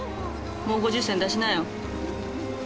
もう５０銭出しなよ。